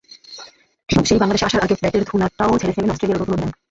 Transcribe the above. সেই বাংলাদেশে আসার আগে ব্যাটের ধুলোটাও ঝেড়ে ফেললেন অস্ট্রেলিয়ার নতুন অধিনায়ক।